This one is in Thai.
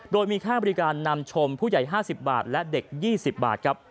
โดยมีค่าบริการนำชมผู้ใหญ่๕๐บาทและเด็ก๒๐บาทครับ